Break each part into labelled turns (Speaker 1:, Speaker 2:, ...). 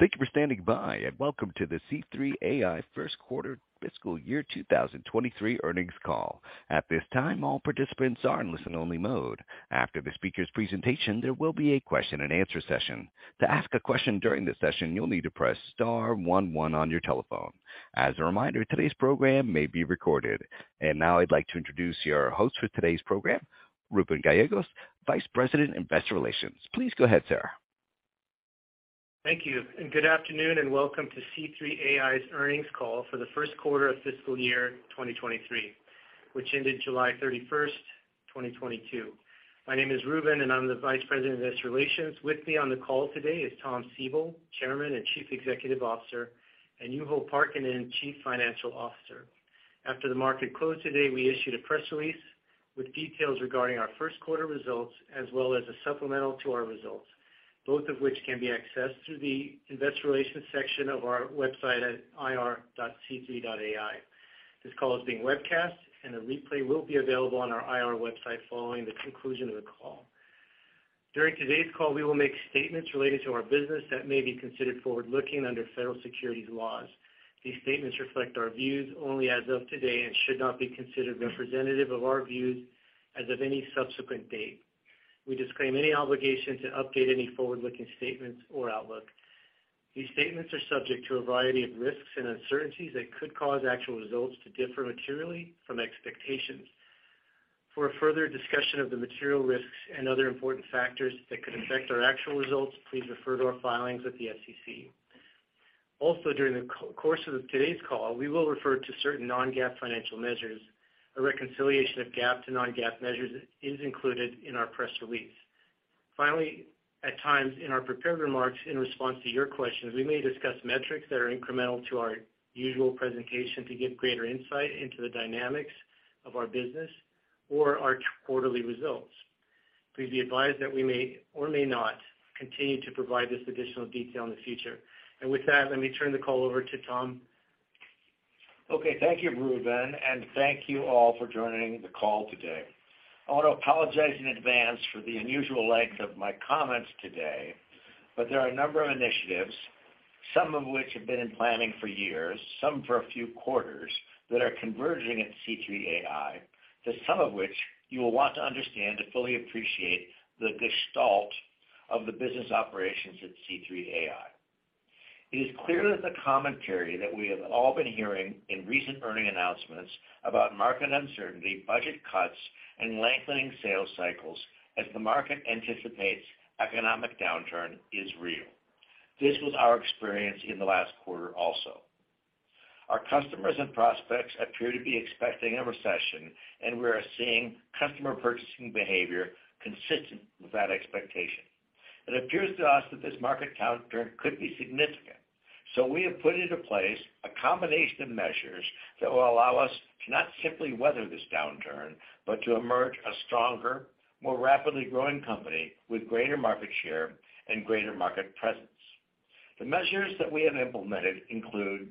Speaker 1: Thank you for standing by, and welcome to the C3 AI Q1 fiscal year 2023 earnings call. At this time, all participants are in listen only mode. After the speaker's presentation, there will be a question and answer session. To ask a question during this session, you'll need to press star one one on your telephone. As a reminder, today's program may be recorded. Now I'd like to introduce your host for today's program, Reuben Gallegos, Vice President, Investor Relations. Please go ahead, sir.
Speaker 2: Thank you, and good afternoon, and welcome to C3 AI's earnings call for the Q1 of fiscal year 2023, which ended July 31, 2022. My name is Reuben, and I'm the Vice President of Investor Relations. With me on the call today is Tom Siebel, Chairman and Chief Executive Officer, and Juho Parkkinen, Chief Financial Officer. After the market closed today, we issued a press release with details regarding our Q1 results as well as a supplemental to our results, both of which can be accessed through the investor relations section of our website at ir.c3.ai. This call is being webcast, and a replay will be available on our IR website following the conclusion of the call. During today's call, we will make statements related to our business that may be considered forward-looking under federal securities laws. These statements reflect our views only as of today and should not be considered representative of our views as of any subsequent date. We disclaim any obligation to update any forward-looking statements or outlook. These statements are subject to a variety of risks and uncertainties that could cause actual results to differ materially from expectations. For a further discussion of the material risks and other important factors that could affect our actual results, please refer to our filings with the SEC. Also, during the course of today's call, we will refer to certain non-GAAP financial measures. A reconciliation of GAAP to non-GAAP measures is included in our press release. Finally, at times in our prepared remarks, in response to your questions, we may discuss metrics that are incremental to our usual presentation to give greater insight into the dynamics of our business or our quarterly results. Please be advised that we may or may not continue to provide this additional detail in the future. With that, let me turn the call over to Tom.
Speaker 3: Okay. Thank you, Reuben, and thank you all for joining the call today. I want to apologize in advance for the unusual length of my comments today, but there are a number of initiatives, some of which have been in planning for years, some for a few quarters, that are converging at C3 AI to some of which you will want to understand to fully appreciate the gestalt of the business operations at C3 AI. It is clear that the commentary that we have all been hearing in recent earnings announcements about market uncertainty, budget cuts, and lengthening sales cycles as the market anticipates economic downturn is real. This was our experience in the last quarter also. Our customers and prospects appear to be expecting a recession, and we are seeing customer purchasing behavior consistent with that expectation. It appears to us that this market downturn could be significant. We have put into place a combination of measures that will allow us to not simply weather this downturn, but to emerge a stronger, more rapidly growing company with greater market share and greater market presence. The measures that we have implemented include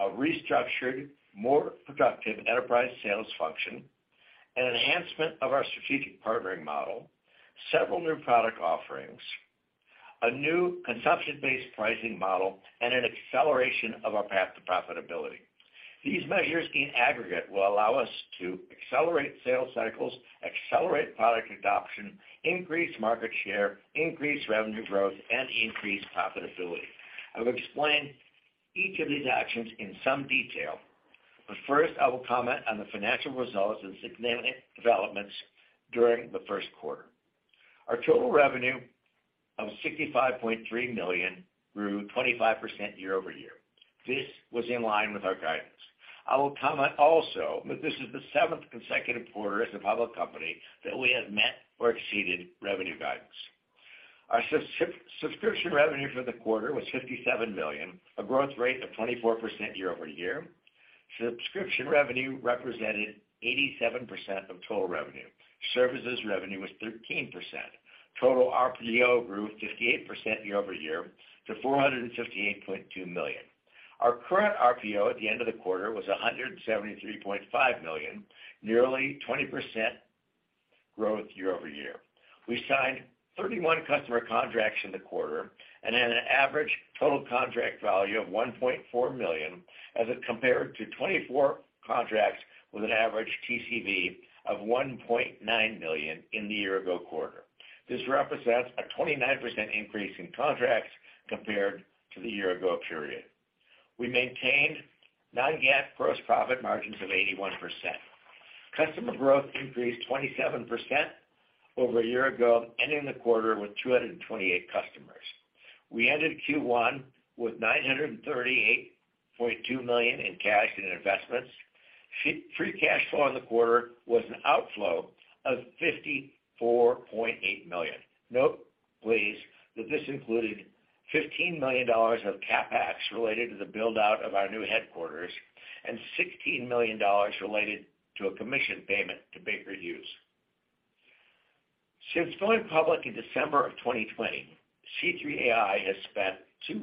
Speaker 3: a restructured, more productive enterprise sales function, an enhancement of our strategic partnering model, several new product offerings, a new consumption-based pricing model, and an acceleration of our path to profitability. These measures in aggregate will allow us to accelerate sales cycles, accelerate product adoption, increase market share, increase revenue growth, and increase profitability. I will explain each of these actions in some detail, but first, I will comment on the financial results and significant developments during the Q1. Our total revenue of $65.3 million grew 25% year-over-year. This was in line with our guidance. I will comment also that this is the 7th consecutive quarter as a public company that we have met or exceeded revenue guidance. Our subscription revenue for the quarter was $57 million, a growth rate of 24% year-over-year. Subscription revenue represented 87% of total revenue. Services revenue was 13%. Total RPO grew 58% year-over-year to $458.2 million. Our current RPO at the end of the quarter was $173.5 million, nearly 20% growth year-over-year. We signed 31 customer contracts in the quarter and had an average total contract value of $1.4 million as it compared to 24 contracts with an average TCV of $1.9 million in the year ago quarter. This represents a 29% increase in contracts compared to the year ago period. We maintained non-GAAP gross profit margins of 81%. Customer growth increased 27% over a year ago, ending the quarter with 228 customers. We ended Q1 with $938.2 million in cash and investments. Free cash flow in the quarter was an outflow of $54.8 million. Note, please, that this included $15 million of CapEx related to the build-out of our new headquarters and $16 million related to a commission payment to Baker Hughes. Since going public in December 2020, C3 AI has spent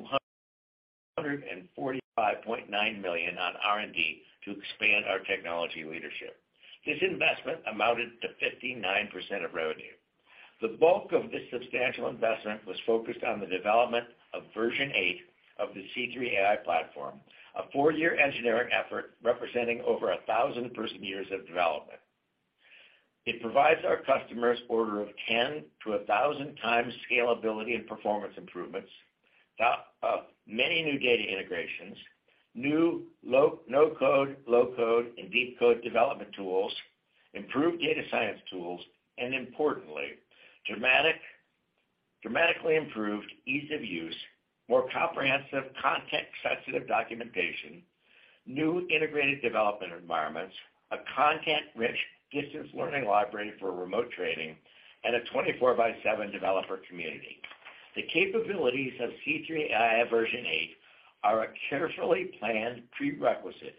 Speaker 3: $245.9 million on R&D to expand our technology leadership. This investment amounted to 59% of revenue. The bulk of this substantial investment was focused on the development of Version 8 of the C3 AI platform, a four-year engineering effort representing over 1,000 person-years of development. It provides our customers order of 10 to 1,000 times scalability and performance improvements, many new data integrations, new no-code, low-code, and deep code development tools, improved data science tools, and importantly, dramatically improved ease of use, more comprehensive context-sensitive documentation, new integrated development environments, a content-rich distance learning library for remote training, and a 24/7 developer community. The capabilities of C3 AI Version 8 are a carefully planned prerequisite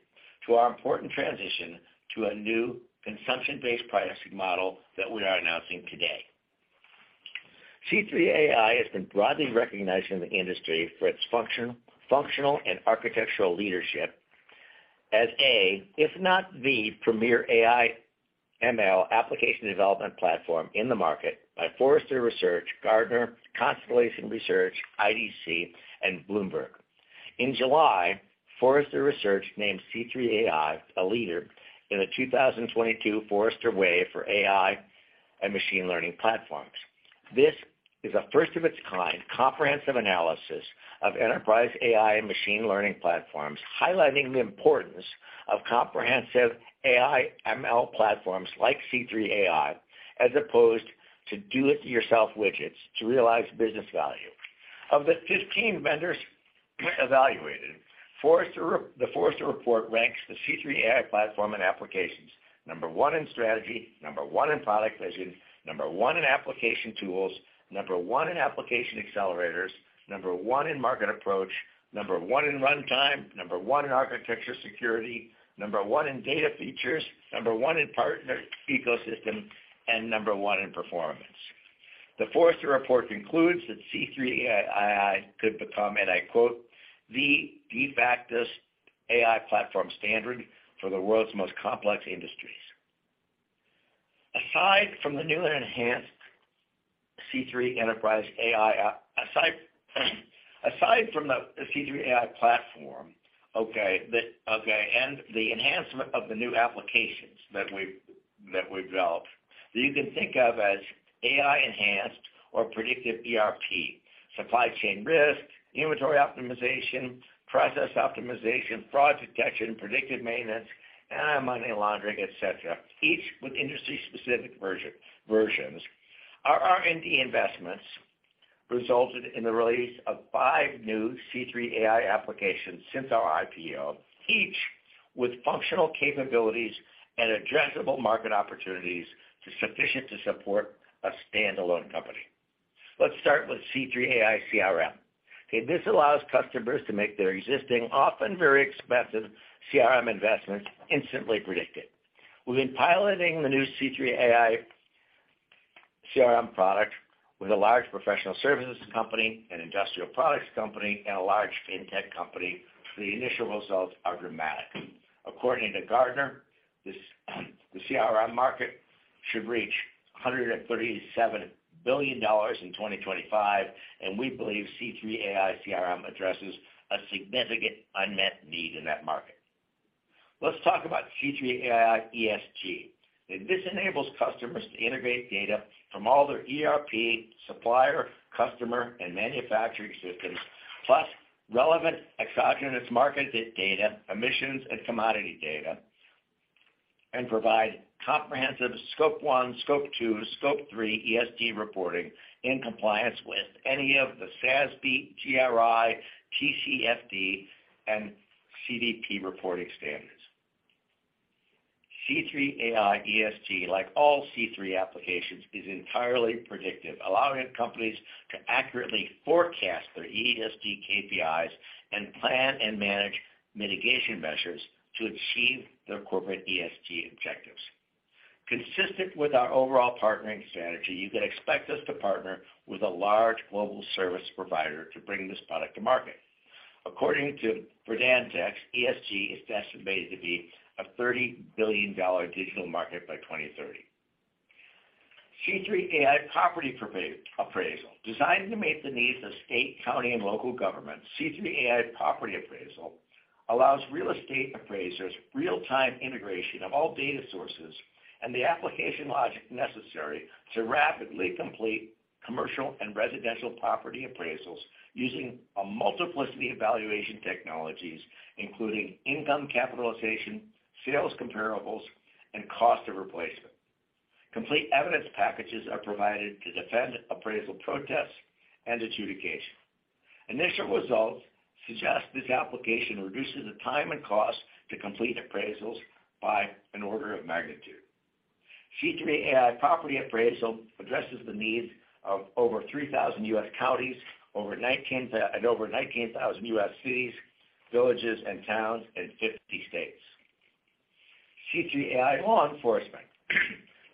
Speaker 3: to our important transition to a new consumption-based pricing model that we are announcing today. C3 AI has been broadly recognized in the industry for its functional and architectural leadership as a, if not the, premier AI ML application development platform in the market by Forrester Research, Gartner, Constellation Research, IDC, and Bloomberg. In July, Forrester Research named C3 AI a leader in the 2022 Forrester Wave for AI and machine learning platforms. This is a first of its kind comprehensive analysis of enterprise AI and machine learning platforms, highlighting the importance of comprehensive AI ML platforms like C3 AI, as opposed to do-it-yourself widgets to realize business value. Of the 15 vendors evaluated, the Forrester report ranks the C3 AI platform and applications number one in strategy, number one in product vision, number one in application tools, number one in application accelerators, number one in market approach, number one in runtime, number one in architecture security, number one in data features, number one in partner ecosystem, and number one in performance. The Forrester report concludes that C3 AI could become, and I quote, "The de facto AI platform standard for the world's most complex industries." Aside from the newly enhanced C3 enterprise AI, aside from the C3 AI platform, and the enhancement of the new applications that we've developed, you can think of as AI-enhanced or predictive ERP, supply chain risk, inventory optimization, process optimization, fraud detection, predictive maintenance, anti-money laundering, et cetera, each with industry-specific versions. Our R&D investments resulted in the release of five new C3 AI applications since our IPO, each with functional capabilities and addressable market opportunities sufficient to support a standalone company. Let's start with C3 AI CRM. This allows customers to make their existing, often very expensive CRM investments instantly predictive. We've been piloting the new C3 AI CRM product with a large professional services company, an industrial products company, and a large fintech company. The initial results are dramatic. According to Gartner, this, the CRM market should reach $137 billion in 2025, and we believe C3 AI CRM addresses a significant unmet need in that market. Let's talk about C3 AI ESG. This enables customers to integrate data from all their ERP, supplier, customer, and manufacturing systems, plus relevant exogenous market data, emissions, and commodity data, and provide comprehensive Scope one, Scope two, Scope three ESG reporting in compliance with any of the SASB, GRI, TCFD, and CDP reporting standards. C3 AI ESG, like all C3 applications, is entirely predictive, allowing companies to accurately forecast their ESG KPIs and plan and manage mitigation measures to achieve their corporate ESG objectives. Consistent with our overall partnering strategy, you can expect us to partner with a large global service provider to bring this product to market. According to Verdantix, ESG is estimated to be a $30 billion digital market by 2030. C3 AI Property Appraisal. Designed to meet the needs of state, county, and local governments, C3 AI Property Appraisal allows real estate appraisers real-time integration of all data sources and the application logic necessary to rapidly complete commercial and residential property appraisals using a multiplicity of valuation technologies, including income capitalization, sales comparables, and cost of replacement. Complete evidence packages are provided to defend appraisal protests and adjudication. Initial results suggest this application reduces the time and cost to complete appraisals by an order of magnitude. C3 AI Property Appraisal addresses the needs of over 3,000 U.S. counties, over 19,000 U.S. cities, villages, and towns in 50 states. C3 AI Law Enforcement.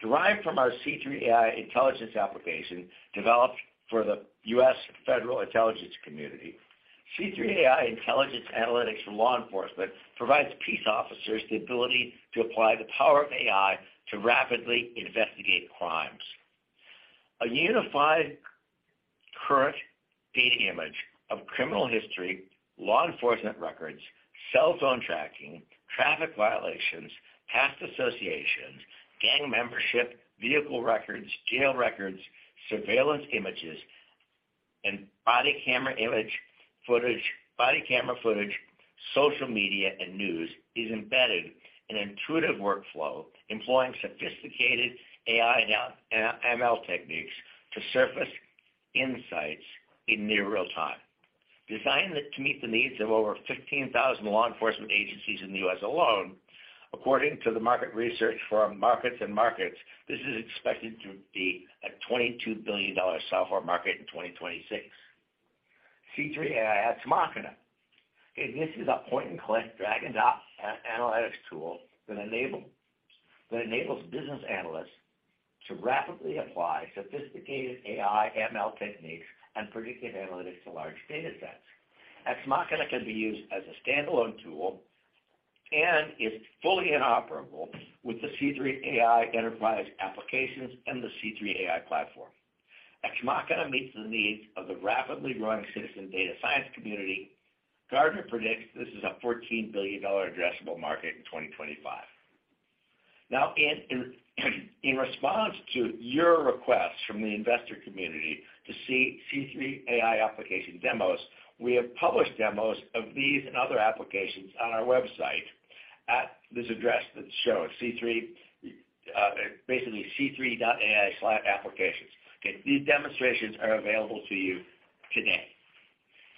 Speaker 3: Derived from our C3 AI Intelligence application developed for the U.S. Federal Intelligence Community. C3 AI Intelligence Analysis for Law Enforcement provides peace officers the ability to apply the power of AI to rapidly investigate crimes. A unified current data image of criminal history, law enforcement records, cell phone tracking, traffic violations, past associations, gang membership, vehicle records, jail records, surveillance images, and body camera footage, social media, and news is embedded in an intuitive workflow employing sophisticated AI and ML techniques to surface insights in near real-time. Designed to meet the needs of over 15,000 law enforcement agencies in the U.S. alone, according to the market research firm MarketsandMarkets, this is expected to be a $22 billion software market in 2026. C3 AI Ex Machina. This is a point-and-click drag-and-drop analytics tool that enables business analysts to rapidly apply sophisticated AI ML techniques and predictive analytics to large data sets. Ex Machina can be used as a standalone tool and is fully interoperable with the C3 AI enterprise applications and the C3 AI platform. Ex Machina meets the needs of the rapidly growing citizen data science community. Gartner predicts this is a $14 billion addressable market in 2025. Now, in response to your requests from the investor community to see C3 AI application demos, we have published demos of these and other applications on our website at this address that's shown, C3, basically c3.ai/applications. These demonstrations are available to you today.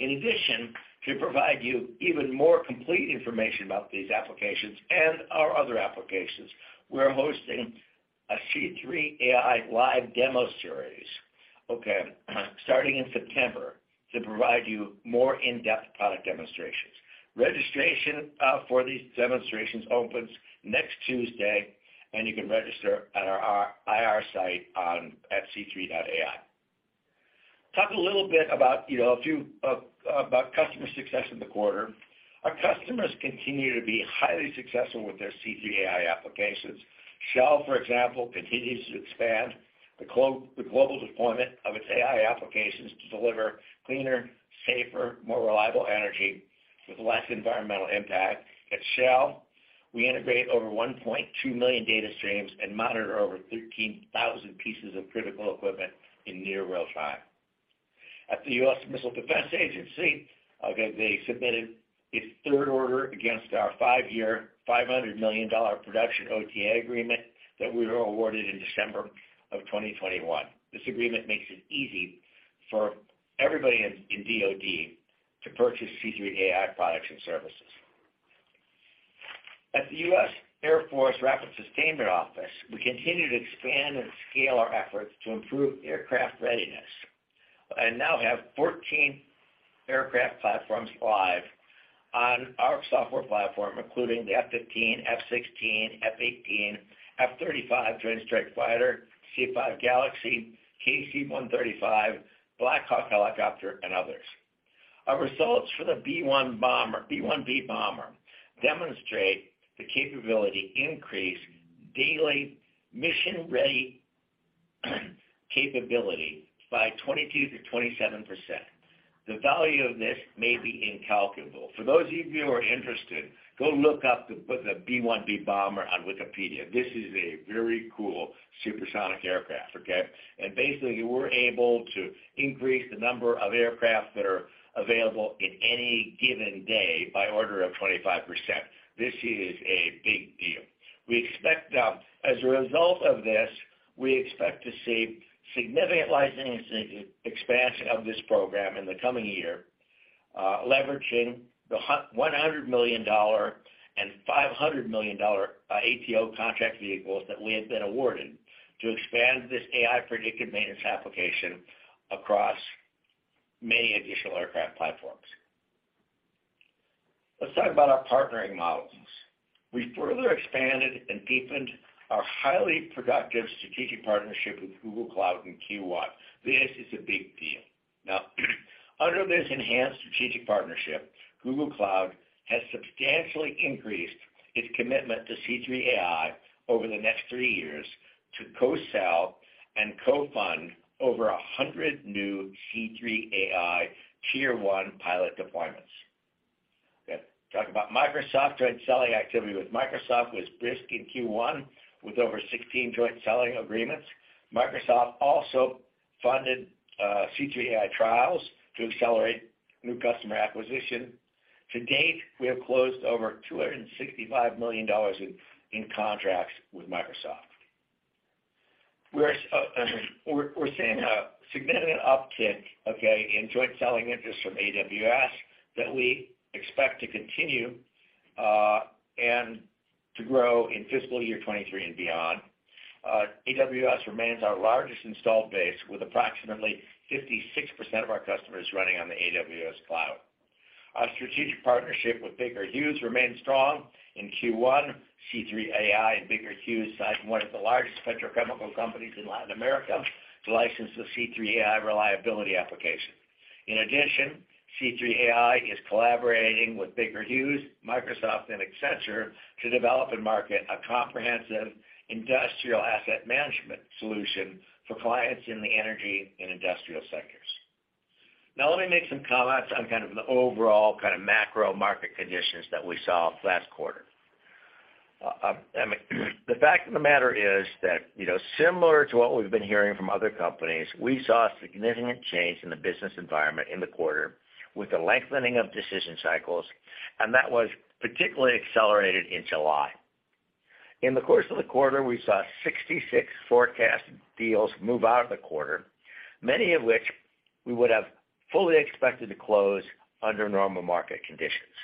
Speaker 3: In addition, to provide you even more complete information about these applications and our other applications, we're hosting a C3 AI live demo series, starting in September to provide you more in-depth product demonstrations. Registration for these demonstrations opens next Tuesday, and you can register at our IR site at c3.ai. Talk a little bit about, you know, a few about customer success in the quarter. Our customers continue to be highly successful with their C3 AI applications. Shell, for example, continues to expand the global deployment of its AI applications to deliver cleaner, safer, more reliable energy with less environmental impact. At Shell, we integrate over 1.2 million data streams and monitor over 13,000 pieces of critical equipment in near real-time. At the U.S. Missile Defense Agency, they submitted its third order against our five-year, $500 million production OTA agreement that we were awarded in December 2021. This agreement makes it easy for everybody in DoD to purchase C3 AI products and services. At the U.S. Air Force Rapid Sustainment Office, we continue to expand and scale our efforts to improve aircraft readiness and now have 14 aircraft platforms live on our software platform, including the F-15, F-16, F-18, F-35 Joint Strike Fighter, C-5 Galaxy, KC-135, Black Hawk helicopter, and others. Our results for the B-1B bomber demonstrate the capability increase daily mission-ready capability by 22%-27%. The value of this may be incalculable. For those of you who are interested, go look up the B-1B bomber on Wikipedia. This is a very cool supersonic aircraft. Basically, we're able to increase the number of aircraft that are available in any given day by order of 25%. This is a big deal. We expect, as a result of this, to see significant licensing expansion of this program in the coming year, leveraging the $100 million and $500 million ATO contract vehicles that we have been awarded to expand this AI predictive maintenance application across many additional aircraft platforms. Let's talk about our partnering models. We further expanded and deepened our highly productive strategic partnership with Google Cloud in Q1. This is a big deal. Now, under this enhanced strategic partnership, Google Cloud has substantially increased its commitment to C3 AI over the next three years to co-sell and co-fund over 100 new C3 AI tier one pilot deployments. Okay. Talk about Microsoft joint selling activity with Microsoft was brisk in Q1 with over 16 joint selling agreements. Microsoft also funded C3 AI trials to accelerate new customer acquisition. To date, we have closed over $265 million in contracts with Microsoft. We're seeing a significant uptick, okay, in joint selling interest from AWS that we expect to continue and to grow in fiscal year 2023 and beyond. AWS remains our largest installed base with approximately 56% of our customers running on the AWS cloud. Our strategic partnership with Baker Hughes remains strong. In Q1, C3 AI and Baker Hughes signed one of the largest petrochemical companies in Latin America to license the C3 AI Reliability application. In addition, C3 AI is collaborating with Baker Hughes, Microsoft, and Accenture to develop and market a comprehensive industrial asset management solution for clients in the energy and industrial sectors. Now, let me make some comments on kind of the overall kind of macro market conditions that we saw last quarter. The fact of the matter is that, you know, similar to what we've been hearing from other companies, we saw a significant change in the business environment in the quarter with the lengthening of decision cycles, and that was particularly accelerated in July. In the course of the quarter, we saw 66 forecast deals move out of the quarter, many of which we would have fully expected to close under normal market conditions.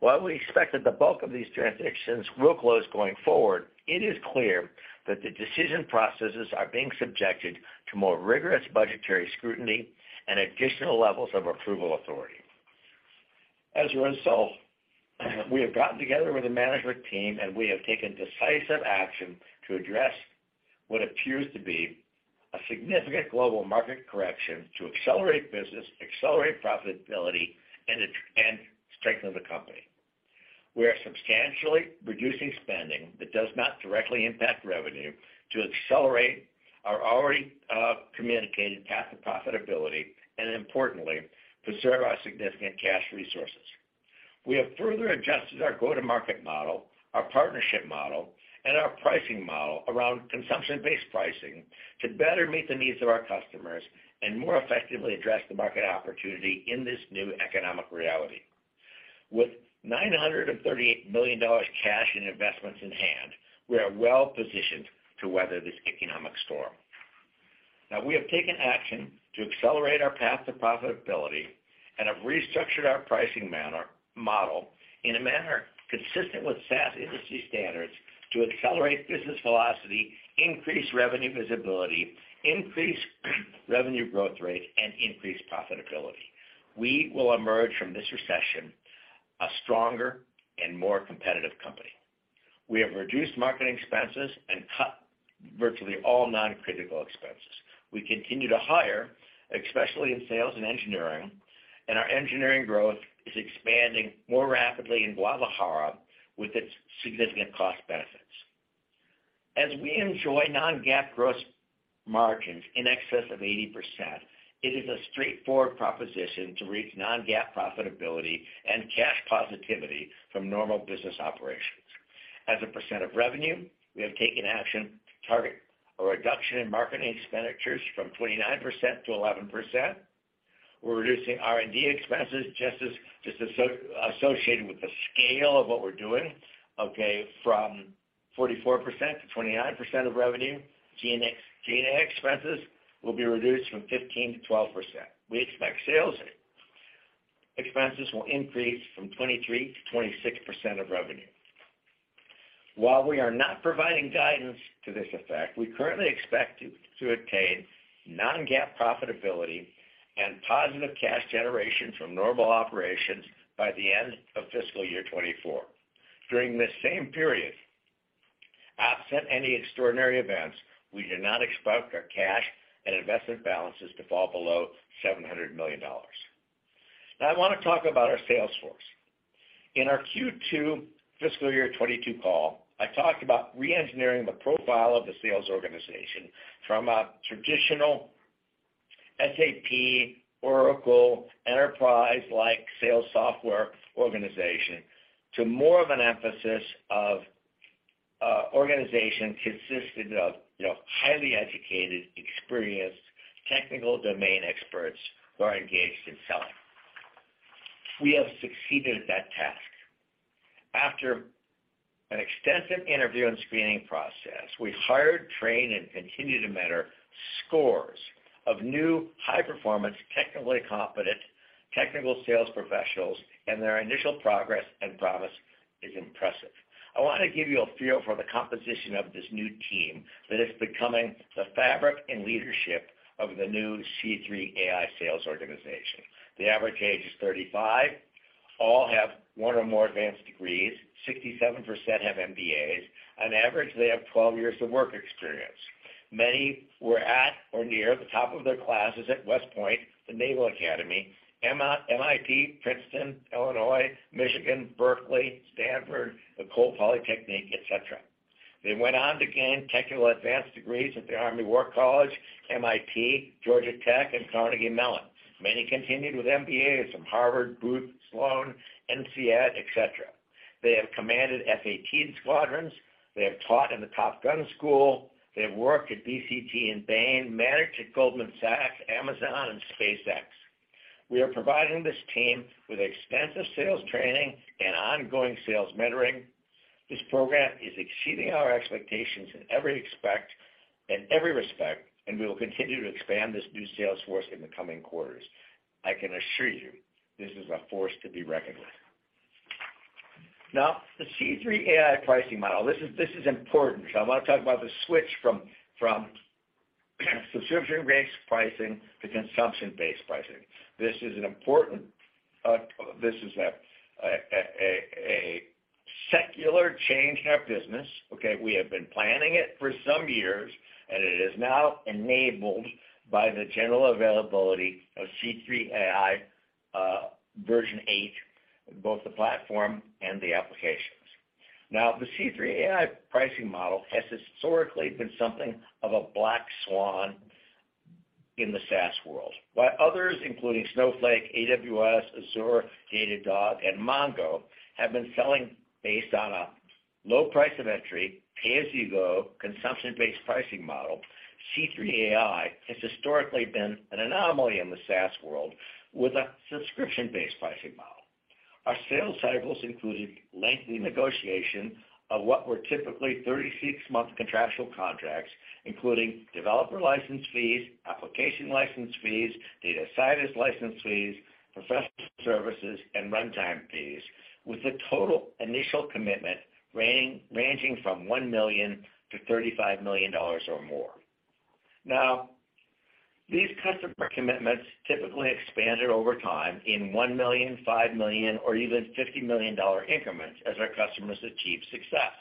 Speaker 3: While we expect that the bulk of these transactions will close going forward, it is clear that the decision processes are being subjected to more rigorous budgetary scrutiny and additional levels of approval authority. As a result, we have gotten together with the management team, and we have taken decisive action to address what appears to be a significant global market correction to accelerate business, accelerate profitability, and strengthen the company. We are substantially reducing spending that does not directly impact revenue to accelerate our already communicated path to profitability and importantly, preserve our significant cash resources. We have further adjusted our go-to-market model, our partnership model, and our pricing model around consumption-based pricing to better meet the needs of our customers and more effectively address the market opportunity in this new economic reality. With $938 million cash and investments in hand, we are well-positioned to weather this economic storm. Now, we have taken action to accelerate our path to profitability and have restructured our pricing model in a manner consistent with SaaS industry standards to accelerate business velocity, increase revenue visibility, increase revenue growth rate, and increase profitability. We will emerge from this recession a stronger and more competitive company. We have reduced marketing expenses and cut virtually all non-critical expenses. We continue to hire, especially in sales and engineering, and our engineering growth is expanding more rapidly in Guadalajara with its significant cost benefits. As we enjoy non-GAAP gross margins in excess of 80%, it is a straightforward proposition to reach non-GAAP profitability and cash positivity from normal business operations. As a percent of revenue, we have taken action to target a reduction in marketing expenditures from 29%-11%. We're reducing R&D expenses just as associated with the scale of what we're doing from 44%-29% of revenue. G&A expenses will be reduced from 15%-12%. We expect sales expenses will increase from 23%-26% of revenue. While we are not providing guidance to this effect, we currently expect to attain non-GAAP profitability and positive cash generation from normal operations by the end of fiscal year 2024. During this same period, absent any extraordinary events, we do not expect our cash and investment balances to fall below $700 million. Now, I want to talk about our sales force. In our Q2 fiscal year 2022 call, I talked about re-engineering the profile of the sales organization from a traditional SAP, Oracle, enterprise-like sales software organization to more of an emphasis of, organization consisted of, you know, highly educated, experienced technical domain experts who are engaged in selling. We have succeeded at that task. After an extensive interview and screening process, we hired, trained, and continue to mentor scores of new high-performance, technically competent technical sales professionals, and their initial progress and promise is impressive. I want to give you a feel for the composition of this new team that is becoming the fabric and leadership of the new C3 AI sales organization. The average age is 35. All have one or more advanced degrees. 67% have MBAs. On average, they have 12 years of work experience. Many were at or near the top of their classes at West Point, the Naval Academy, MIT, Princeton, Illinois, Michigan, Berkeley, Stanford, École Polytechnique, et cetera. They went on to gain technical advanced degrees at the Army War College, MIT, Georgia Tech, and Carnegie Mellon. Many continued with MBAs from Harvard, Booth, Sloan, INSEAD, et cetera. They have commanded F/A-18 squadrons. They have taught in the Top Gun school. They have worked at BCG and Bain, managed at Goldman Sachs, Amazon, and SpaceX. We are providing this team with extensive sales training and ongoing sales mentoring. This program is exceeding our expectations in every respect, and we will continue to expand this new sales force in the coming quarters. I can assure you this is a force to be reckoned with. Now, the C3 AI pricing model. This is important. I wanna talk about the switch from subscription-based pricing to consumption-based pricing. This is a secular change in our business, okay? We have been planning it for some years, and it is now enabled by the general availability of C3 AI Version 8, both the platform and the applications. Now, the C3 AI pricing model has historically been something of a black swan in the SaaS world. While others, including Snowflake, AWS, Azure, Datadog, and MongoDB have been selling based on a low price of entry, pay-as-you-go consumption-based pricing model, C3 AI has historically been an anomaly in the SaaS world with a subscription-based pricing model. Our sales cycles included lengthy negotiation of what were typically 36-month contractual contracts, including developer license fees, application license fees, data scientist license fees, professional services, and runtime fees, with the total initial commitment ranging from $1 million-$35 million or more. Now, these customer commitments typically expanded over time in $1 million, $5 million, or even $50 million dollar increments as our customers achieve success.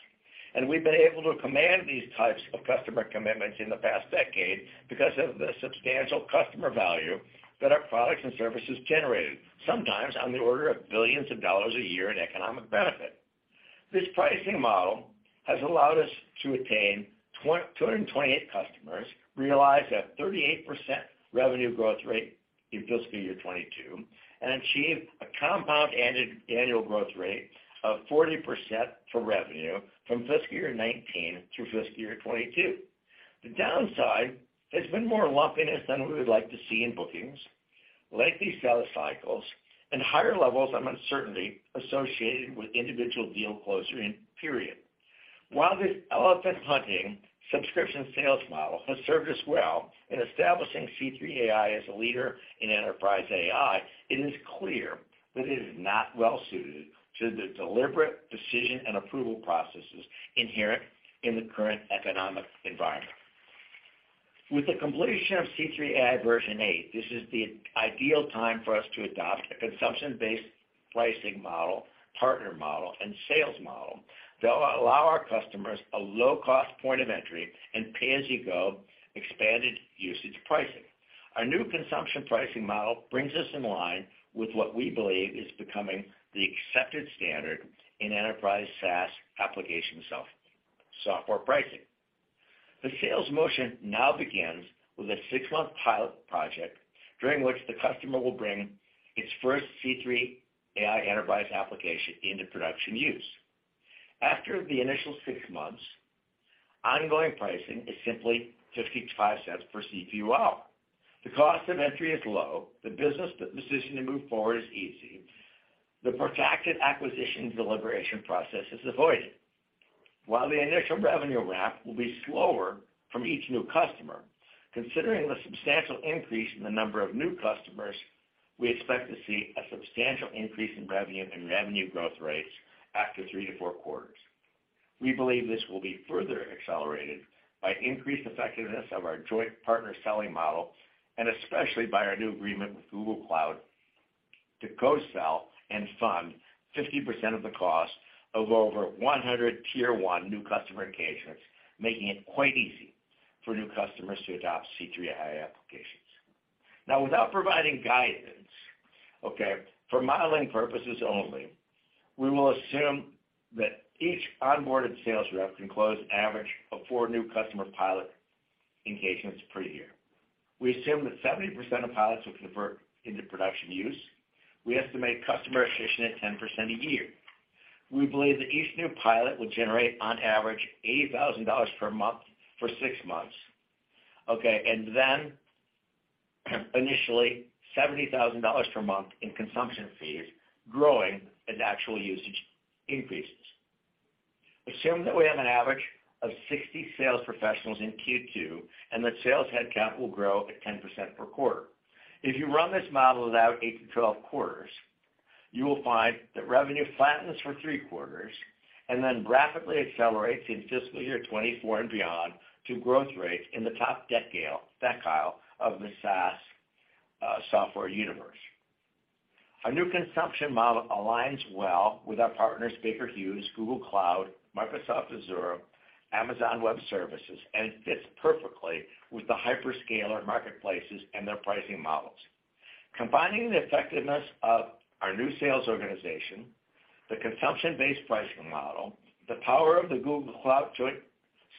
Speaker 3: We've been able to command these types of customer commitments in the past decade because of the substantial customer value that our products and services generated, sometimes on the order of billions of dollars a year in economic benefit. This pricing model has allowed us to attain 228 customers, realize a 38% revenue growth rate in fiscal year 2022, and achieve a compound annual growth rate of 40% for revenue from fiscal year 2019 through fiscal year 2022. The downside has been more lumpiness than we would like to see in bookings, lengthy sales cycles, and higher levels of uncertainty associated with individual deal closing period. While this elephant hunting subscription sales model has served us well in establishing C3 AI as a leader in enterprise AI, it is clear that it is not well suited to the deliberate decision and approval processes inherent in the current economic environment. With the completion of C3 AI Version 8, this is the ideal time for us to adopt a consumption-based pricing model, partner model, and sales model that'll allow our customers a low-cost point of entry and pay-as-you-go expanded usage pricing. Our new consumption pricing model brings us in line with what we believe is becoming the accepted standard in enterprise SaaS application software pricing. The sales motion now begins with a 6-month pilot project during which the customer will bring its first C3 AI enterprise application into production use. After the initial six months, ongoing pricing is simply $0.55 per CPU hour. The cost of entry is low, the business decision to move forward is easy. The protracted acquisitions deliberation process is avoided. While the initial revenue ramp will be slower from each new customer, considering the substantial increase in the number of new customers, we expect to see a substantial increase in revenue and revenue growth rates after three-four quarters. We believe this will be further accelerated by increased effectiveness of our joint partner selling model, and especially by our new agreement with Google Cloud to co-sell and fund 50% of the cost of over 100 tier one new customer engagements, making it quite easy for new customers to adopt C3 AI applications. Now without providing guidance, okay? For modeling purposes only, we will assume that each onboarded sales rep can close average of four new customer pilot engagements per year. We assume that 70% of pilots will convert into production use. We estimate customer attrition at 10% a year. We believe that each new pilot will generate on average $80,000 per month for six months. Okay, and then initially $70,000 per month in consumption fees, growing as actual usage increases. Assume that we have an average of 60 sales professionals in Q2, and that sales headcount will grow at 10% per quarter. If you run this model out eight-12 quarters, you will find that revenue flattens for three quarters and then graphically accelerates in fiscal year 2024 and beyond to growth rates in the top decile of the SaaS software universe. Our new consumption model aligns well with our partners Baker Hughes, Google Cloud, Microsoft Azure, Amazon Web Services, and fits perfectly with the hyperscaler marketplaces and their pricing models. Combining the effectiveness of our new sales organization, the consumption-based pricing model, the power of the Google Cloud joint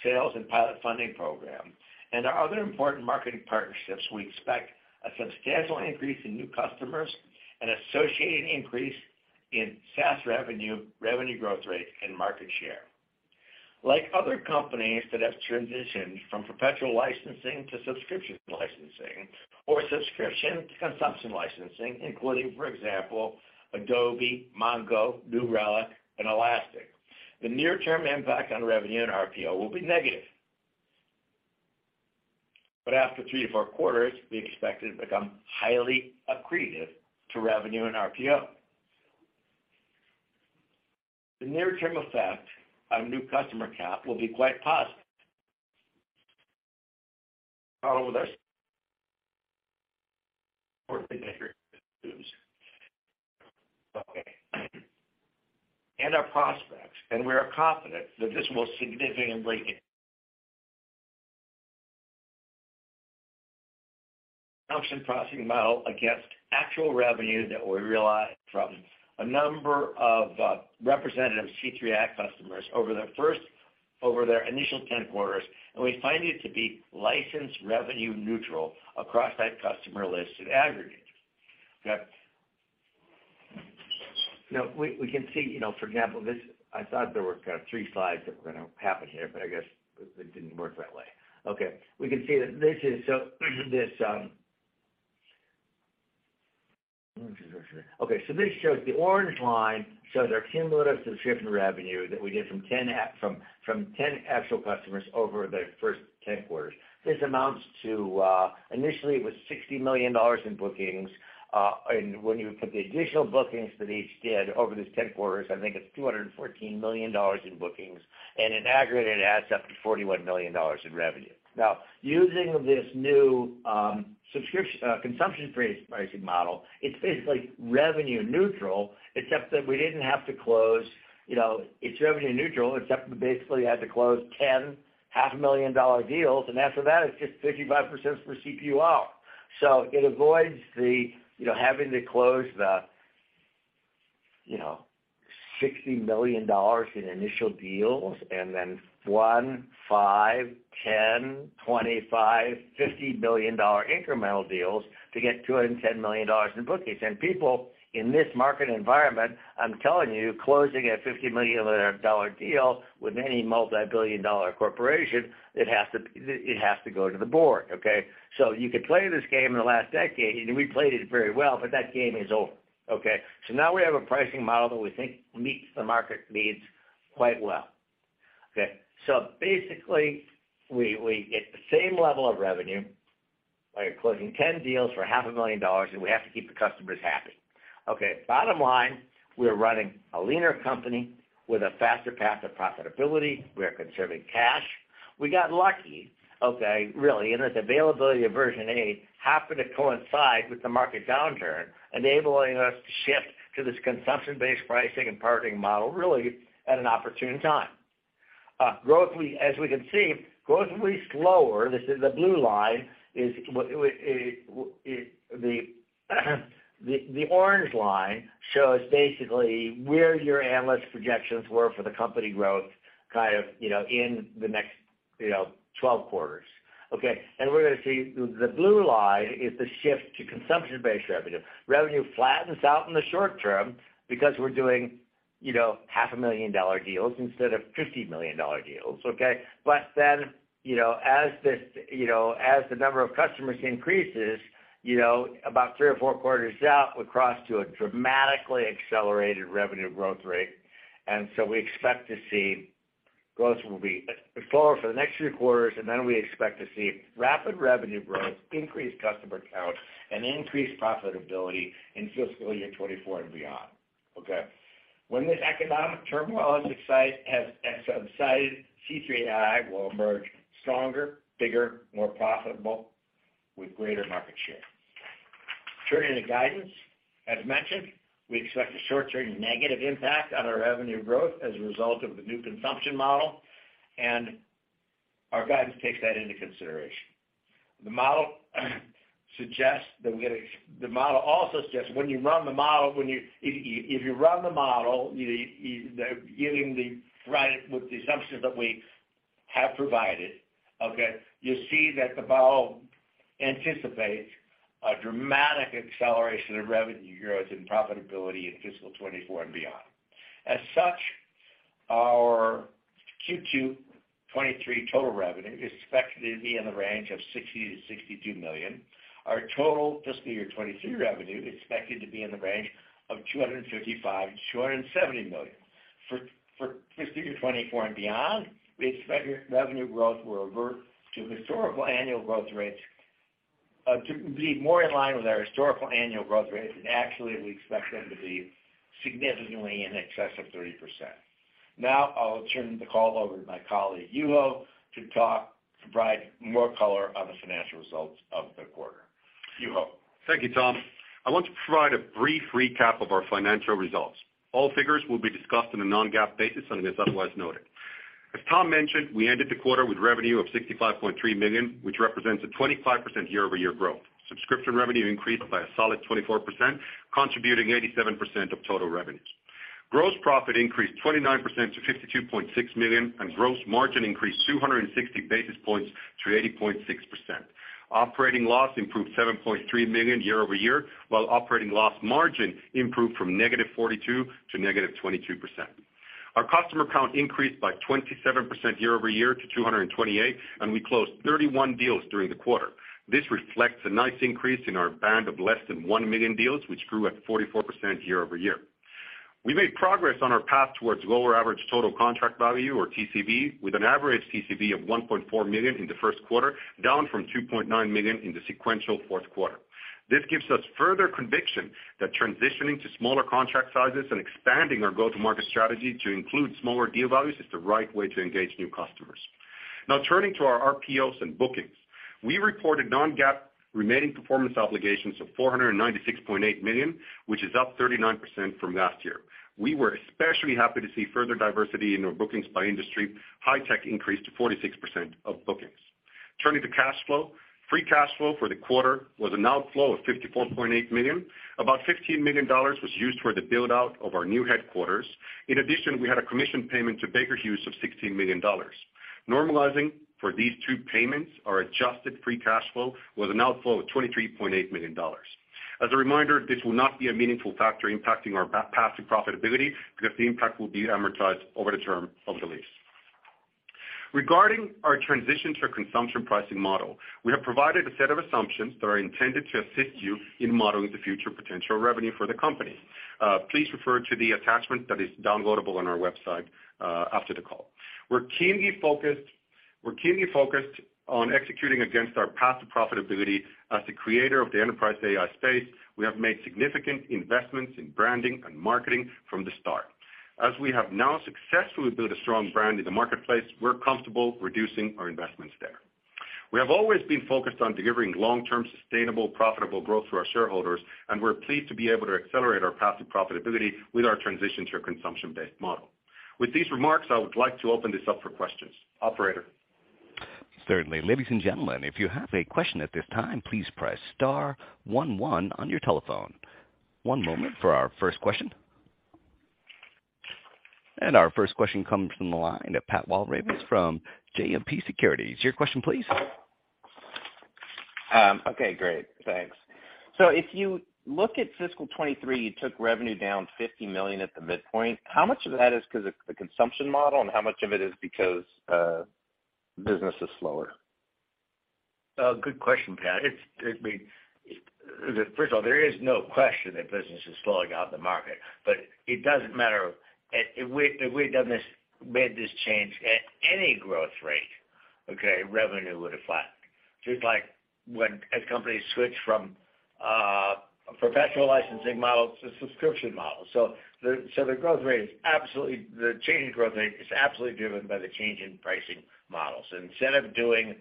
Speaker 3: sales and pilot funding program, and our other important marketing partnerships, we expect a substantial increase in new customers, an associated increase in SaaS revenue growth rate, and market share. Like other companies that have transitioned from perpetual licensing to subscription licensing or subscription to consumption licensing, including, for example, Adobe, MongoDB, New Relic, and Elastic, the near-term impact on revenue and RPO will be negative. After three-four quarters, we expect it to become highly accretive to revenue and RPO. The near-term effect on new customer cap will be quite positive. Follow with us. Okay. Our prospects, and we are confident that this will significantly. Consumption pricing model against actual revenue that we realized from a number of representative C3 AI customers over their initial 10 quarters, and we find it to be license revenue neutral across that customer list in aggregate. Okay. Now we can see, you know, for example, this. I thought there were kinda three slides that were gonna happen here, but I guess it didn't work that way. Okay. We can see that this is so, this. Okay, so this shows the orange line, shows our cumulative subscription revenue that we get from 10 actual customers over the first 10 quarters. This amounts to, initially it was $60 million in bookings, and when you put the additional bookings that each did over this 10 quarters, I think it's $214 million in bookings. In aggregate, it adds up to $41 million in revenue. Now, using this new subscription-based pricing model, it's basically revenue neutral, except we basically had to close ten half-a-million-dollar deals, and after that, it's just 55% for CPU out. It avoids the, you know, having to close the, you know, $60 million in initial deals and then $1, $5, $10, $25, $50 million incremental deals to get $210 million in bookings. People in this market environment, I'm telling you, closing a $50 million deal with any multi-billion-dollar corporation, it has to go to the board, okay? You could play this game in the last decade, and we played it very well, but that game is over, okay? Now we have a pricing model that we think meets the market needs quite well. Okay. Basically we get the same level of revenue by closing 10 deals for $500,000 and we have to keep the customers happy. Okay. Bottom line, we're running a leaner company with a faster path of profitability. We are conserving cash. We got lucky, okay, really, in that the availability of Version 8 happened to coincide with the market downturn, enabling us to shift to this consumption-based pricing and partnering model really at an opportune time. As we can see, growth will be slower. This is the blue line is. The orange line shows basically where your analyst projections were for the company growth, kind of, you know, in the next, you know, 12 quarters. Okay, we're gonna see the blue line is the shift to consumption-based revenue. Revenue flattens out in the short term because we're doing, you know, $500,000 deals instead of 50 million dollar deals, okay? You know, as this, you know, as the number of customers increases, you know, about three or four quarters out, we cross to a dramatically accelerated revenue growth rate. We expect to see growth will be slower for the next few quarters, and then we expect to see rapid revenue growth, increased customer count, and increased profitability in fiscal year 2024 and beyond, okay? When this economic turmoil has subsided, C3.ai will emerge stronger, bigger, more profitable, with greater market share. Turning to guidance, as mentioned, we expect a short-term negative impact on our revenue growth as a result of the new consumption model, and our guidance takes that into consideration. The model also suggests when you run the model with the assumptions that we have provided, you know, you'll see that the model anticipates a dramatic acceleration of revenue growth and profitability in fiscal 2024 and beyond. As such, our Q2 2023 total revenue is expected to be in the range of $60 million-$62 million. Our total fiscal year 2023 revenue is expected to be in the range of $255 million-$270 million. For fiscal year 2024 and beyond, we expect revenue growth will revert to historical annual growth rates, to be more in line with our historical annual growth rates. Actually, we expect them to be significantly in excess of 30%. Now, I'll turn the call over to my colleague, Juho, to provide more color on the financial results of the quarter. Juho.
Speaker 4: Thank you, Tom. I want to provide a brief recap of our financial results. All figures will be discussed on a non-GAAP basis unless otherwise noted. As Tom mentioned, we ended the quarter with revenue of $65.3 million, which represents a 25% year-over-year growth. Subscription revenue increased by a solid 24%, contributing 87% of total revenues. Gross profit increased 29% to $52.6 million, and gross margin increased 260 basis points to 80.6%. Operating loss improved $7.3 million year over year, while operating loss margin improved from -42% to -22%. Our customer count increased by 27% year over year to 228, and we closed 31 deals during the quarter. This reflects a nice increase in our band of less than $1 million deals, which grew at 44% year-over-year. We made progress on our path towards lower average total contract value or TCV, with an average TCV of $1.4 million in the Q1, down from $2.9 million in the sequential Q4. This gives us further conviction that transitioning to smaller contract sizes and expanding our go-to-market strategy to include smaller deal values is the right way to engage new customers. Now turning to our RPOs and bookings. We reported non-GAAP remaining performance obligations of $496.8 million, which is up 39% from last year. We were especially happy to see further diversity in our bookings by industry. High-tech increased to 46% of bookings. Turning to cash flow. Free cash flow for the quarter was an outflow of $54.8 million. About $15 million was used for the build-out of our new headquarters. In addition, we had a commission payment to Baker Hughes of $16 million. Normalizing for these two payments, our adjusted free cash flow was an outflow of $23.8 million. As a reminder, this will not be a meaningful factor impacting our path to profitability because the impact will be amortized over the term of the lease. Regarding our transition to a consumption pricing model, we have provided a set of assumptions that are intended to assist you in modeling the future potential revenue for the company. Please refer to the attachment that is downloadable on our website after the call. We're keenly focused on executing against our path to profitability. As the creator of the enterprise AI space, we have made significant investments in branding and marketing from the start. As we have now successfully built a strong brand in the marketplace, we're comfortable reducing our investments there. We have always been focused on delivering long-term sustainable, profitable growth to our shareholders, and we're pleased to be able to accelerate our path to profitability with our transition to a consumption-based model. With these remarks, I would like to open this up for questions. Operator?
Speaker 1: Certainly. Ladies and gentlemen, if you have a question at this time, please press star one one on your telephone. One moment for our first question. Our first question comes from the line of Pat Walravens from JMP Securities. Your question please.
Speaker 5: Okay, great. Thanks. If you look at fiscal 2023, you took revenue down $50 million at the midpoint. How much of that is because of the consumption model and how much of it is because business is slower?
Speaker 3: Good question, Pat. I mean, first of all, there is no question that business is slowing down in the market, but it doesn't matter. If we'd done this, made this change at any growth rate, okay, revenue would have flattened. Just like, as companies switch from professional licensing models to subscription models. The change in growth rate is absolutely driven by the change in pricing models. Instead of doing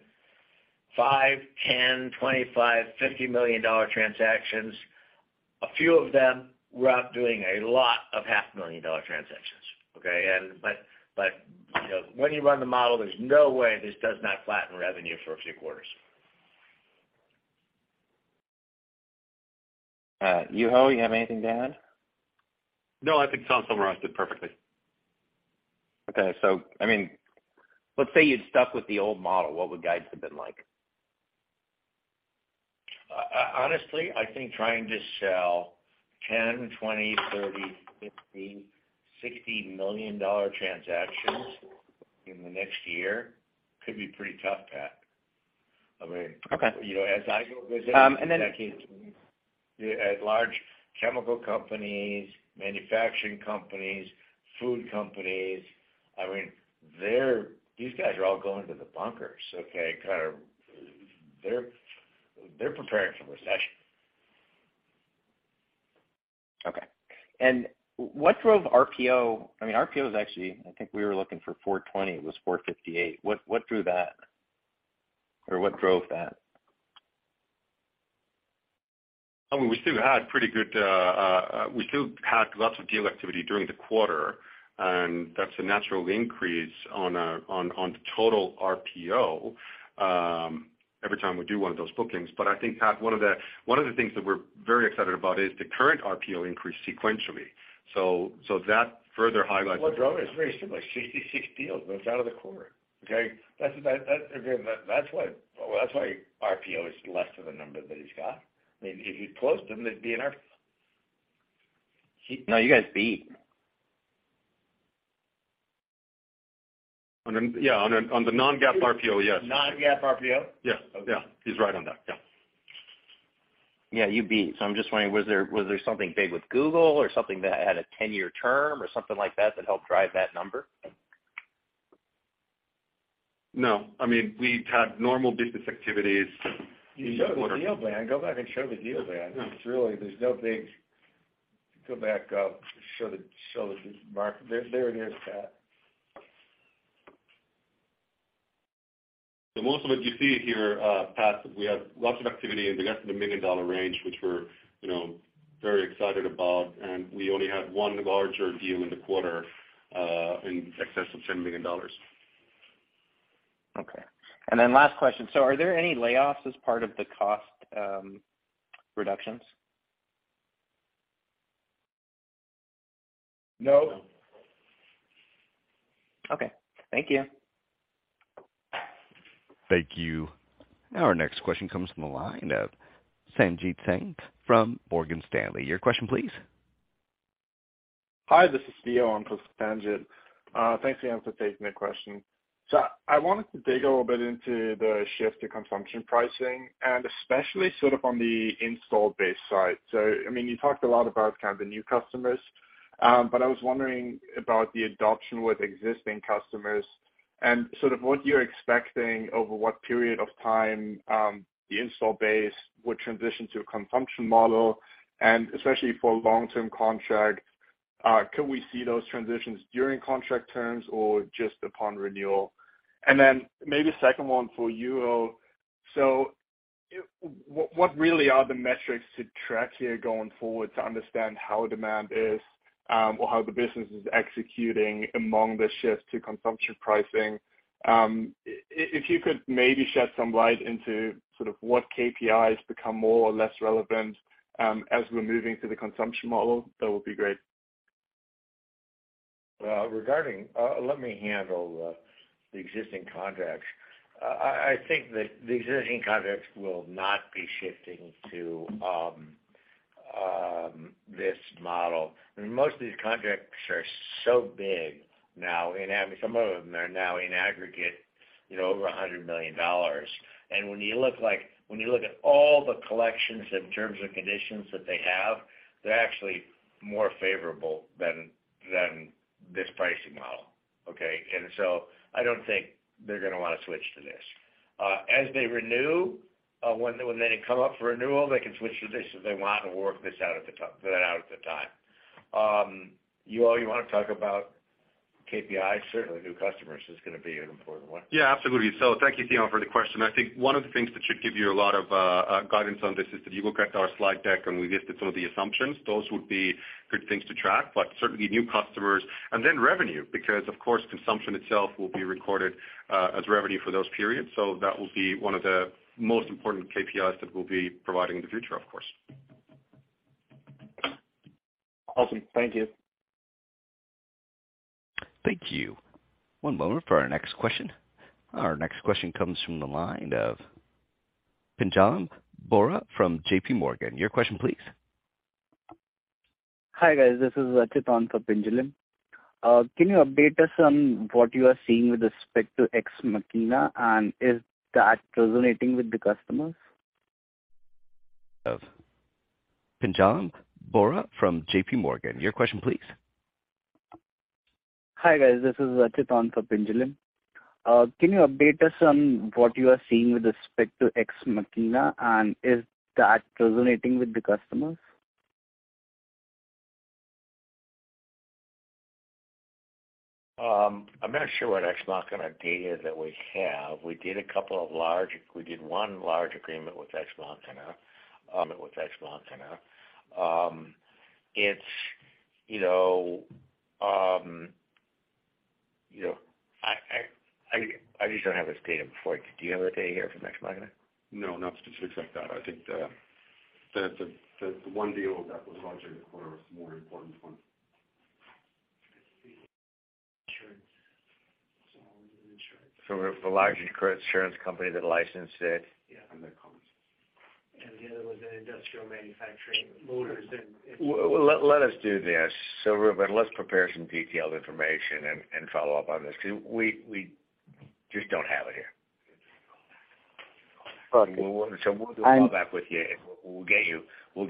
Speaker 3: $5 million, $10 million, $25 million, $50 million transactions, we're now doing a lot of $500,000 transactions, okay? You know, when you run the model, there's no way this does not flatten revenue for a few quarters. Juho, you have anything to add?
Speaker 4: No, I think Tom summarized it perfectly.
Speaker 5: Okay. I mean, let's say you'd stuck with the old model, what would guides have been like?
Speaker 3: Honestly, I think trying to sell $10 million, $20 million, $30 million, $50 million, $60 million transactions in the next year could be pretty tough, Pat. I mean
Speaker 5: Okay.
Speaker 3: You know, as I go visit.
Speaker 5: Um, and then-
Speaker 3: At large chemical companies, manufacturing companies, food companies, I mean, they're, these guys are all going to the bunkers, okay? Kind of they're preparing for recession.
Speaker 5: Okay. What drove RPO? I mean, RPO is actually, I think we were looking for $420, it was $458. What drove that? Or what drove that?
Speaker 4: I mean, we still had lots of deal activity during the quarter, and that's a natural increase on the total RPO every time we do one of those bookings. I think, Pat, one of the things that we're very excited about is the current RPO increased sequentially. That further highlights-
Speaker 3: What drove it is very similar. 66 deals went out of the quarter, okay? That's why RPO is less of a number than he's got. I mean, if you closed them, they'd be in our.
Speaker 5: No, you guys beat.
Speaker 4: Under, on the non-GAAP RPO, yes.
Speaker 5: non-GAAP RPO?
Speaker 4: Yes. Yeah.
Speaker 5: Okay.
Speaker 4: He's right on that. Yeah.
Speaker 5: Yeah, you beat. I'm just wondering, was there something big with Google or something that had a ten-year term or something like that that helped drive that number?
Speaker 4: No. I mean, we've had normal business activities.
Speaker 3: Show the deal plan. Go back and show the deal plan. Go back up. Show the mark. There, there it is, Pat.
Speaker 4: Most of what you see here, Pat, we have lots of activity in the less than $1 million range, which we're, you know, very excited about, and we only had one larger deal in the quarter, in excess of $10 million.
Speaker 5: Okay. Last question. Are there any layoffs as part of the cost reductions?
Speaker 4: No.
Speaker 5: Okay. Thank you.
Speaker 1: Thank you. Our next question comes from the line of Sanjit Singh from Morgan Stanley. Your question please.
Speaker 6: Hi, this is Theo. I'm with Sanjit. Thanks again for taking the question. I wanted to dig a bit into the shift to consumption pricing and especially sort of on the install base side. I mean, you talked a lot about kind of the new customers, but I was wondering about the adoption with existing customers and sort of what you're expecting over what period of time the install base would transition to a consumption model, and especially for long-term contracts, can we see those transitions during contract terms or just upon renewal? Maybe second one for you. What really are the metrics to track here going forward to understand how demand is or how the business is executing amid the shift to consumption pricing? If you could maybe shed some light into sort of what KPIs become more or less relevant, as we're moving to the consumption model, that would be great.
Speaker 3: Regarding, let me handle the existing contracts. I think that the existing contracts will not be shifting to this model. Most of these contracts are so big now, and some of them are now in aggregate, you know, over $100 million. When you look at all the collections and terms and conditions that they have, they're actually more favorable than this pricing model. Okay. I don't think they're gonna wanna switch to this. As they renew, when they come up for renewal, they can switch to this if they want and work that out at the time. Juho, you wanna talk about KPI? Certainly new customers is gonna be an important one.
Speaker 4: Yeah, absolutely. Thank you, Theo, for the question. I think one of the things that should give you a lot of guidance on this is that you look at our slide deck, and we listed some of the assumptions. Those would be good things to track, but certainly new customers and then revenue, because, of course, consumption itself will be recorded as revenue for those periods. That will be one of the most important KPIs that we'll be providing in the future, of course.
Speaker 6: Awesome. Thank you.
Speaker 1: Thank you. One moment for our next question. Our next question comes from the line of Pinjalim Bora from JPMorgan. Your question please.
Speaker 7: Hi, guys. This is Achit on for Pinjalim. Can you update us on what you are seeing with respect to Ex Machina, and is that resonating with the customers?
Speaker 1: Of Pinjalim Bora from JPMorgan. Your question, please.
Speaker 7: Hi, guys. This is Achit on for Pinjalim. Can you update us on what you are seeing with respect to Ex Machina, and is that resonating with the customers?
Speaker 3: I'm not sure what Ex Machina data that we have. We did one large agreement with Ex Machina. It's, you know, I just don't have this data before. Do you have the data here for Ex Machina?
Speaker 4: No, not specifics like that. I think the one deal that was larger for us, more important one.
Speaker 3: The larger insurance company that licensed it.
Speaker 4: Yeah, their comms.
Speaker 2: The other was an industrial manufacturing motors and-
Speaker 3: Well, let us do this. Reuben, let's prepare some detailed information and follow up on this. We just don't have it here.
Speaker 7: Got it.
Speaker 3: We'll do a follow back with you, and we'll get you all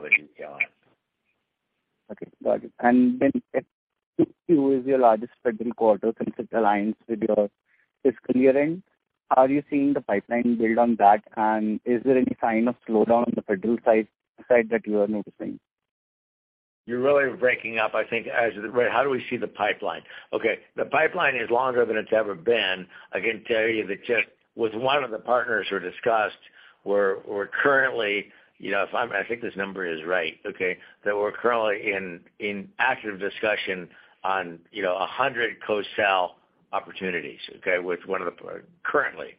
Speaker 3: the details.
Speaker 7: Okay. Got it. What is your largest federal quarter since it aligns with your fiscal year-end? How are you seeing the pipeline build on that? Is there any sign of slowdown on the federal side that you are noticing?
Speaker 3: You're really breaking up, I think. How do we see the pipeline? Okay, the pipeline is longer than it's ever been. I can tell you that just with one of the partners who discussed, we're currently, you know, I think this number is right, okay, that we're currently in active discussion on, you know, 100 co-sell opportunities, okay, currently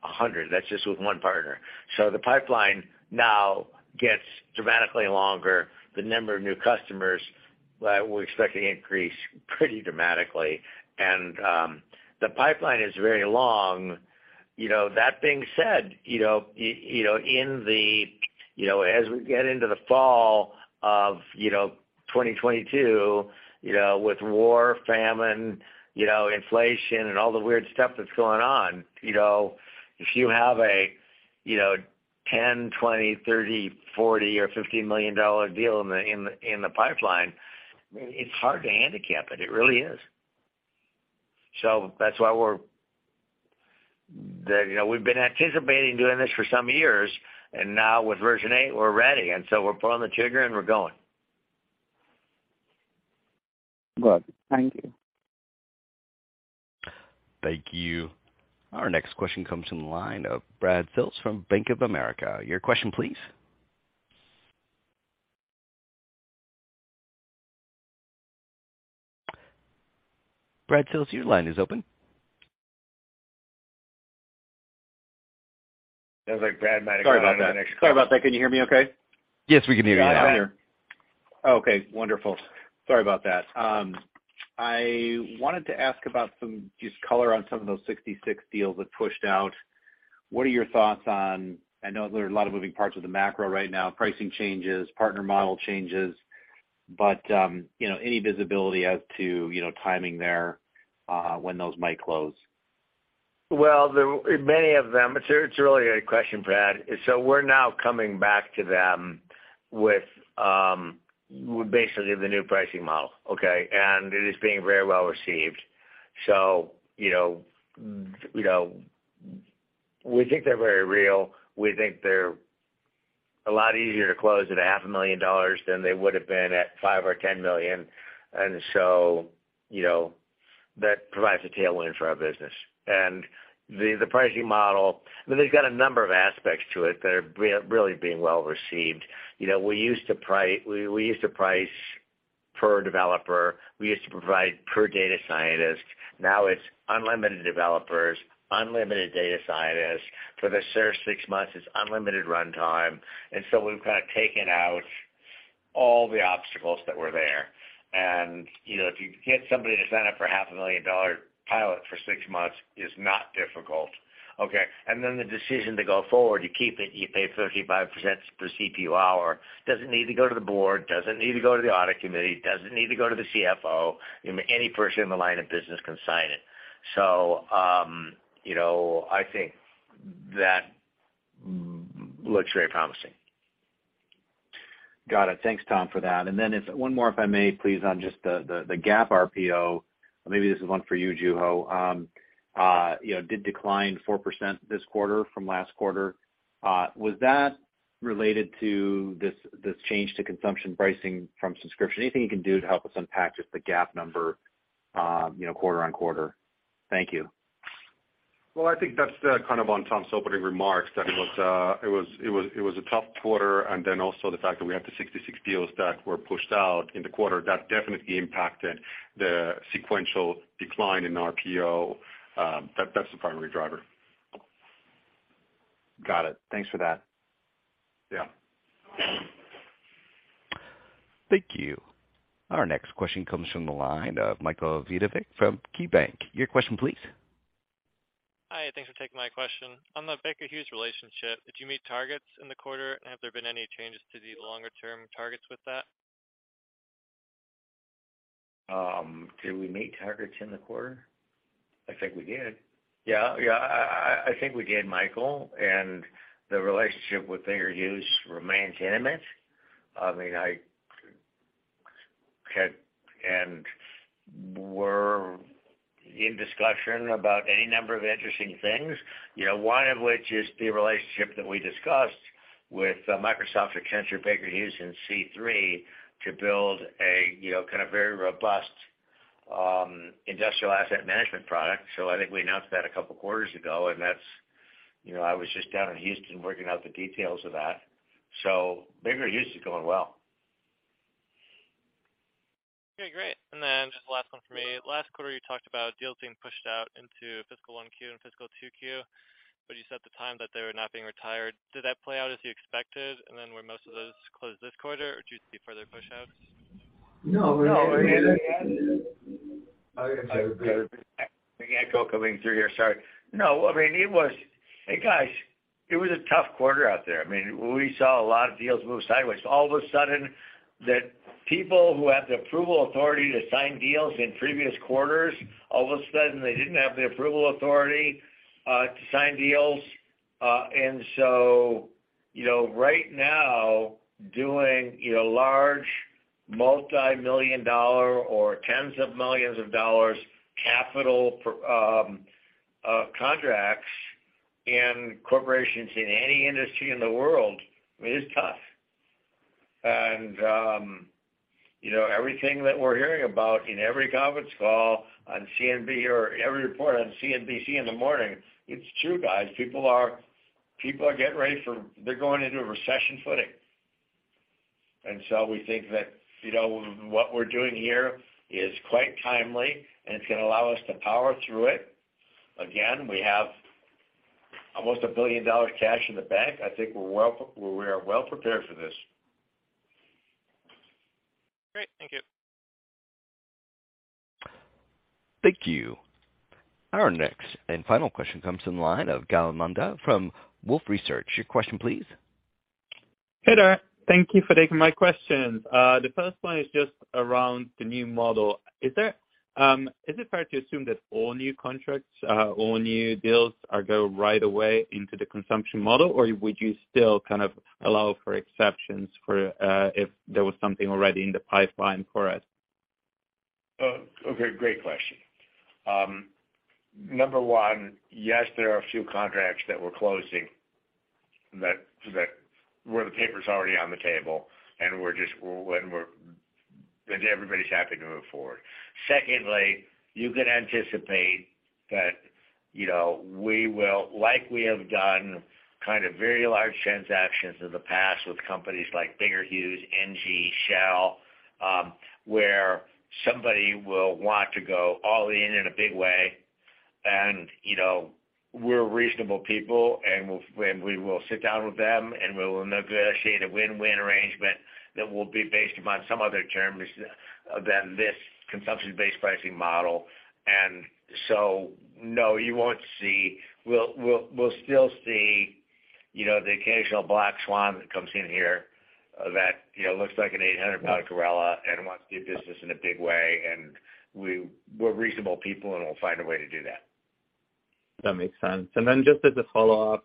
Speaker 3: 100. That's just with one partner. The pipeline now gets dramatically longer. The number of new customers that we're expecting increase pretty dramatically. The pipeline is very long. You know, that being said, you know, you know, in the, you know, as we get into the fall of, you know, 2022, you know, with war, famine, you know, inflation and all the weird stuff that's going on, you know, if you have a, you know, $10 million, $20 million, $30 million, $40 million or $50 million deal in the pipeline, it's hard to handicap it. It really is. That's why, you know, we've been anticipating doing this for some years, and now with Version 8, we're ready. We're pulling the trigger, and we're going.
Speaker 7: Good. Thank you.
Speaker 1: Thank you. Our next question comes from the line of Brad Sills from Bank of America. Your question, please. Brad Sills, your line is open.
Speaker 3: Sounds like Brad might have gone on the next call.
Speaker 8: Sorry about that. Can you hear me okay?
Speaker 1: Yes, we can hear you now.
Speaker 8: Okay, wonderful. Sorry about that. I wanted to ask about just color on some of those 66 deals that pushed out. What are your thoughts on, I know there are a lot of moving parts of the macro right now, pricing changes, partner model changes, but, you know, any visibility as to, you know, timing there, when those might close?
Speaker 3: Well, many of them, it's really a question, Brad. We're now coming back to them with basically the new pricing model, okay? It is being very well received. You know, we think they're very real. We think they're a lot easier to close at $500,000 than they would have been at $5 million or $10 million. You know, that provides a tailwind for our business. The pricing model, I mean, they've got a number of aspects to it that are really being well received. You know, we used to price per developer. We used to price per data scientist. Now, it's unlimited developers, unlimited data scientists. For the first six months, it's unlimited runtime. We've kind of taken out all the obstacles that were there. You know, if you get somebody to sign up for $500,000 pilot for six months is not difficult, okay? The decision to go forward, you keep it, you pay 35% per CPU hour. Doesn't need to go to the board, doesn't need to go to the audit committee, doesn't need to go to the CFO. Any person in the line of business can sign it. You know, I think that looks very promising.
Speaker 8: Got it. Thanks, Tom, for that. If one more, if I may please, on just the GAAP RPO, maybe this is one for you, Juho. You know, did decline 4% this quarter from last quarter. Was that related to this change to consumption pricing from subscription? Anything you can do to help us unpack just the GAAP number, you know, quarter on quarter? Thank you.
Speaker 4: Well, I think that's the kind of on Tom's opening remarks, that it was a tough quarter. Then also the fact that we have the 66 deals that were pushed out in the quarter, that definitely impacted the sequential decline in RPO. That's the primary driver.
Speaker 8: Got it. Thanks for that.
Speaker 4: Yeah.
Speaker 1: Thank you. Our next question comes from the line of Michael Vidovic from KeyBanc. Your question, please.
Speaker 9: Hi, thanks for taking my question. On the Baker Hughes relationship, did you meet targets in the quarter, and have there been any changes to the longer-term targets with that?
Speaker 3: Did we meet targets in the quarter? I think we did. Yeah. I think we did, Michael, and the relationship with Baker Hughes remains intimate. I mean, and we're in discussion about any number of interesting things, you know, one of which is the relationship that we discussed with Microsoft, Accenture, Baker Hughes, and C3 to build a, you know, kind of very robust, industrial asset management product. I think we announced that a couple quarters ago, and that's, you know, I was just down in Houston working out the details of that. Baker Hughes is going well.
Speaker 9: Okay, great. Just the last one for me. Last quarter, you talked about deals being pushed out into fiscal Q1 and fiscal Q2, but you said at the time that they were not being retired. Did that play out as you expected? Were most of those closed this quarter, or do you see further pushouts?
Speaker 3: No.
Speaker 2: No.
Speaker 3: Hey, guys, it was a tough quarter out there. I mean, we saw a lot of deals move sideways. All of a sudden, the people who had the approval authority to sign deals in previous quarters, all of a sudden they didn't have the approval authority to sign deals. You know, right now doing large multi-million-dollar or $10s of millions capital contracts in corporations in any industry in the world, I mean, is tough. You know, everything that we're hearing about in every conference call on CNBC or every report on CNBC in the morning, it's true, guys. People are getting ready. They're going into a recession footing. We think that, you know, what we're doing here is quite timely, and it's gonna allow us to power through it. Again, we have almost $1 billion cash in the bank. I think we are well prepared for this.
Speaker 9: Great. Thank you.
Speaker 1: Thank you. Our next and final question comes from the line of Gal Munda from Wolfe Research. Your question, please.
Speaker 10: Hey there. Thank you for taking my questions. The first one is just around the new model. Is it fair to assume that all new contracts, all new deals are going right away into the consumption model, or would you still kind of allow for exceptions for if there was something already in the pipeline for us?
Speaker 3: Oh, okay. Great question. Number one, yes, there are a few contracts that we're closing where the paper's already on the table, and we're just, and everybody's happy to move forward. Secondly, you can anticipate that, you know, we will likely have done kind of very large transactions in the past with companies like Baker Hughes, Engie, Shell, where somebody will want to go all in in a big way. You know, we're reasonable people, and we will sit down with them, and we will negotiate a win-win arrangement that will be based upon some other terms than this consumption-based pricing model. No, you won't see. We'll still see, you know, the occasional black swan that comes in here that, you know, looks like an 800-pound gorilla and wants to do business in a big way, and we're reasonable people, and we'll find a way to do that.
Speaker 10: That makes sense. Just as a follow-up,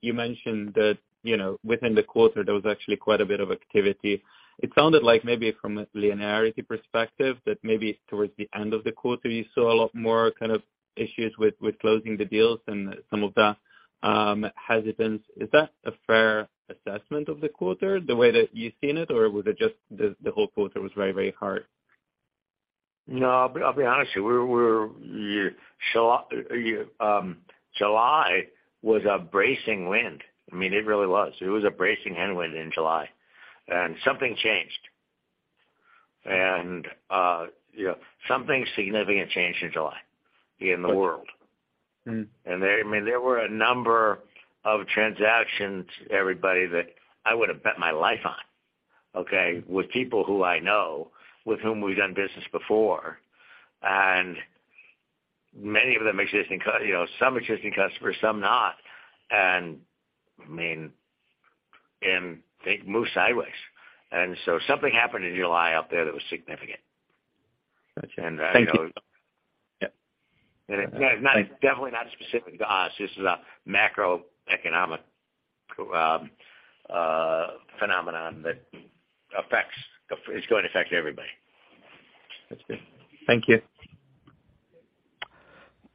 Speaker 10: you mentioned that, you know, within the quarter there was actually quite a bit of activity. It sounded like maybe from a linearity perspective that maybe towards the end of the quarter you saw a lot more kind of issues with closing the deals and some of that hesitance. Is that a fair assessment of the quarter, the way that you've seen it, or was it just the whole quarter was very, very hard?
Speaker 3: No, I'll be honest with you. July was a bracing wind. I mean, it really was. It was a bracing headwind in July, and something changed. You know, something significant changed in July in the world.
Speaker 10: Mm.
Speaker 3: There, I mean, there were a number of transactions, everybody that I would have bet my life on, okay, with people who I know, with whom we've done business before. Many of them existing customers, you know, some existing customers, some not, and I mean. They moved sideways. Something happened in July out there that was significant.
Speaker 10: Got you. Thank you.
Speaker 3: I know.
Speaker 10: Yep.
Speaker 3: It's not, it's definitely not specific to us. This is a macroeconomic phenomenon. It's going to affect everybody.
Speaker 10: That's good. Thank you.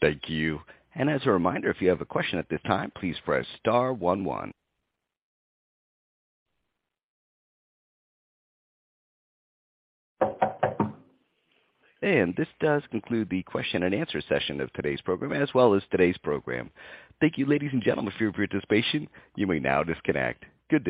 Speaker 1: Thank you. As a reminder, if you have a question at this time, please press star one one. This does conclude the question and answer session of today's program as well as today's program. Thank you, ladies and gentlemen, for your participation. You may now disconnect. Good day.